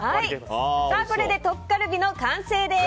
これでトッカルビの完成です。